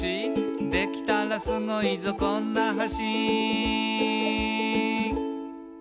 「できたらスゴいぞこんな橋」